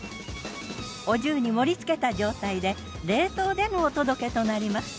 お重に盛りつけた状態で冷凍でのお届けとなります。